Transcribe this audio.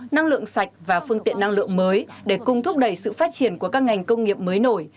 năng lượng sạch và phương tiện năng lượng mới để cùng thúc đẩy sự phát triển của các ngành công nghiệp mới nổi